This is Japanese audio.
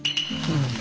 うん。